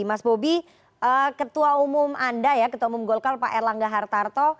mas bobi ketua umum anda ya ketua umum golkar pak erlangga hartarto